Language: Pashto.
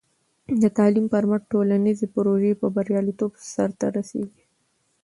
د تعلیم پر مټ، ټولنیزې پروژې په بریالیتوب سرته رسېږي.